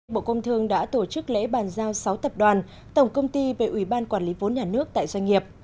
bộ công thương đã tổ chức lễ bàn giao sáu tập đoàn tổng công ty về ủy ban quản lý vốn nhà nước tại doanh nghiệp